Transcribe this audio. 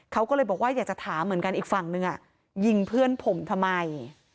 เขาก็เลยบอกว่าอยากจะถามเหมือนกันอีกฝั่งนึงยิงเพื่อนผมทำไม